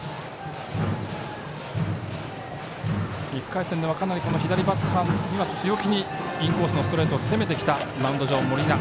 １回戦ではかなり左バッターに強気にインコースのストレートを攻めてきたマウンド上の盛永。